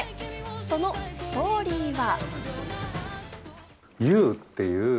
そのストーリーは。